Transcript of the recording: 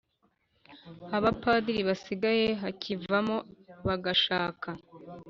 Abapadiri basigaye bakivamo bagashaka